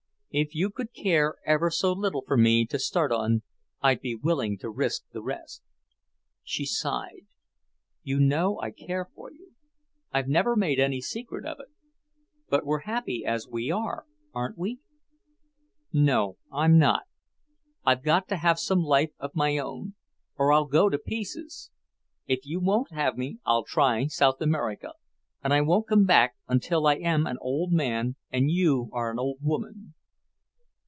If you could care ever so little for me to start on, I'd be willing to risk the rest." She sighed. "You know I care for you. I've never made any secret of it. But we're happy as we are, aren't we?" "No, I'm not. I've got to have some life of my own, or I'll go to pieces. If you won't have me, I'll try South America, and I won't come back until I am an old man and you are an old woman."